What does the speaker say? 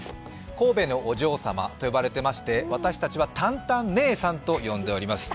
神戸のお嬢様と呼ばれていまして私たちはタンタン姉さんと呼んでおります。